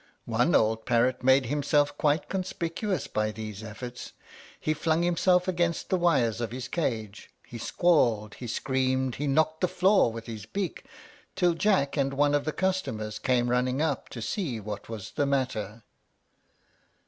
One old parrot made himself quite conspicuous by these efforts. He flung himself against the wires of his cage, he squalled, he screamed, he knocked the floor with his beak, till Jack and one of the customers came running up to see what was the matter.